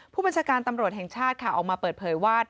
ผู้บัญชาการตำรวจแห่งชาติค่ะออกมาเปิดเผยว่า